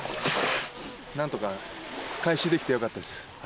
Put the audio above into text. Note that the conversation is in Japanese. なんとか回収できてよかったです。